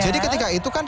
jadi ketika itu kan